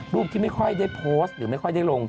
ที่ไม่ค่อยได้โพสต์หรือไม่ค่อยได้ลง